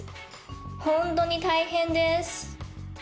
本当に大変です。